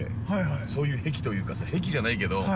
そういう癖というかさ癖じゃないけど。